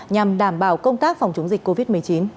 nhằm đảm bảo công tác phòng chống dịch covid một mươi chín